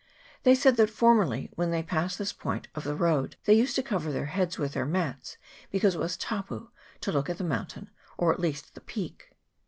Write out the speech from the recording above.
They said that formerly when they passed this point of the road they used to cover their heads with their mats, because it was e tapu' to look at the mountain, or at least the peak.